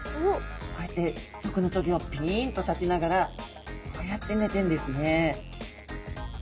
こうやって毒の棘をピンと立てながらこうやって寝てんですね。